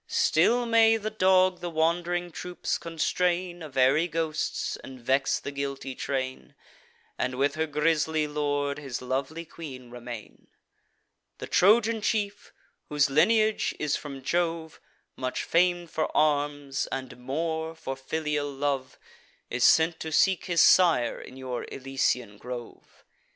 Still may the dog the wand'ring troops constrain Of airy ghosts, and vex the guilty train, And with her grisly lord his lovely queen remain. The Trojan chief, whose lineage is from Jove, Much fam'd for arms, and more for filial love, Is sent to seek his sire in your Elysian grove.